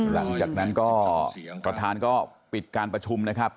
หลังจากนั้นก็ประธานก็ปิดการประชุมนะครับ